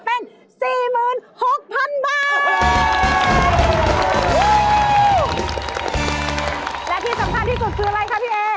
และที่สำคัญที่สุดคืออะไรคะพี่เอ